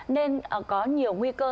nên có nhiều nguy cơ